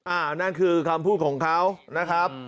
นั่นคือคำพูดของเขานะครับ